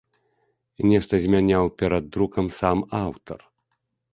Нешта змяняў перад друкам сам аўтар.